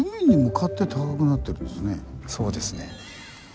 そうですね。